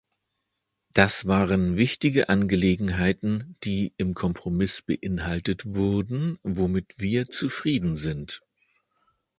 Das waren wichtige Angelegenheiten, die im Kompromiss beinhaltet wurden, womit wir zufrieden sind.